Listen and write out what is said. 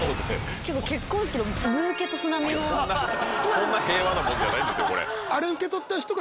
そんな平和なもんじゃないんですよこれ。